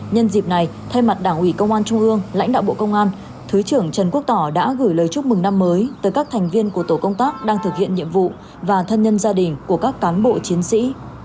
nhân dịp này thay mặt đảng ủy công an trung ương lãnh đạo bộ công an thứ trưởng trần quốc tỏ đã gửi lời chúc mừng năm mới tới các thành viên của tổ công tác đang thực hiện nhiệm vụ và thân nhân gia đình của các cán bộ chiến sĩ